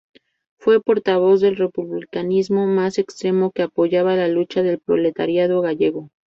Fue portavoz del republicanismo más extremo, que apoyaba la lucha del proletariado gallego.